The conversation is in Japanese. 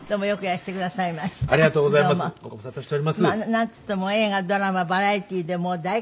なんていっても映画ドラマバラエティーでもう大活躍。